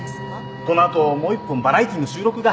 この後もう一本バラエティーの収録が。